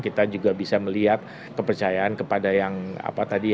kita juga bisa melihat kepercayaan kepada yang apa tadi